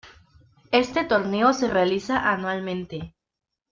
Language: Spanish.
Este torneo se realiza anualmente.